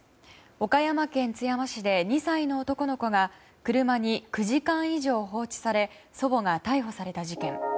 岡山県津山市で２歳の男の子が車に９時間以上放置され祖母が逮捕された事件。